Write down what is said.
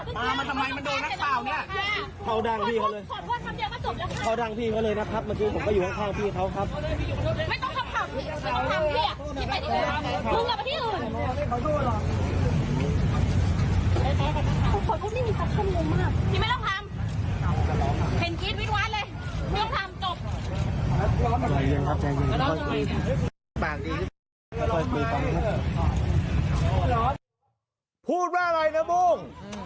พูดว่าอะไรเนี่ยมุ่ง